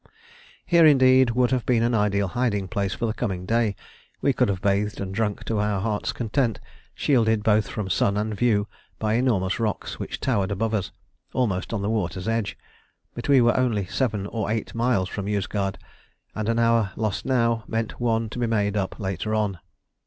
Here indeed would have been an ideal hiding place for the coming day; we could have bathed and drunk to our hearts' content, shielded both from sun and view by enormous rocks which towered above us, almost on the water's edge. But we were only seven or eight miles from Yozgad, and an hour lost now meant one to be made up later on.